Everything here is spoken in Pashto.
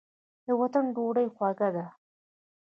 د وطن ډوډۍ خوږه ده.